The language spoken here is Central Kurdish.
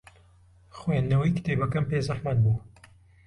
خوێندنەوەی کتێبەکەم پێ زەحمەت بوو.